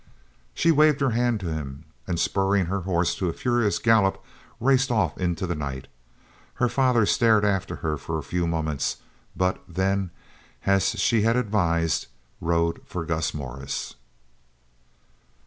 She waved her hand to him, and spurring her horse to a furious gallop raced off into the night. Her father stared after her for a few moments, but then, as she had advised, rode for Gus Morris.